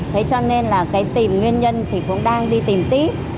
thế cho nên là cái tìm nguyên nhân thì cũng đang đi tìm tiếp